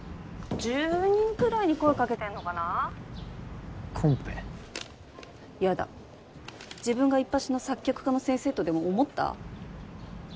１０人くらいに声かけてんのかなコンペやだ自分がいっぱしの作曲家の先生とでも思った？